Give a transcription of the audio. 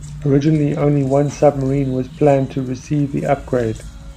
Originally only one submarine was planned to receive the upgrade.